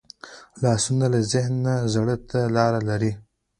لاسونه له ذهن نه زړه ته لاره لري